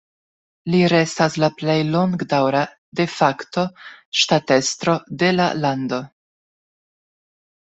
Li restas la plej longdaŭra "de facto" ŝtatestro de la lando.